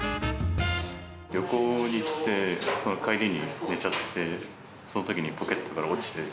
旅行に行って、その帰りに寝ちゃって、そのときにポケットから落ちて。